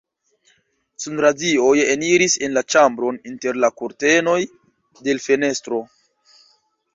Sunradioj eniris en la ĉambron inter la kurtenoj de l' fenestro.